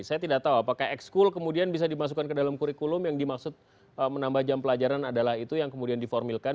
saya tidak tahu apakah excul kemudian bisa dimasukkan ke dalam kurikulum yang dimaksud menambah jam pelajaran adalah itu yang kemudian diformilkan